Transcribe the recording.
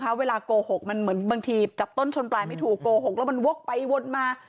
เวลาโกหกมันเหมือนบางทีจับต้นชนปลายไม่ถูกโกหกแล้วมันวกไปวนมา